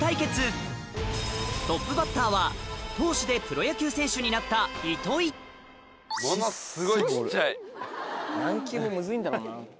トップバッターは投手でプロ野球選手になった糸井軟球もムズいんだろうな。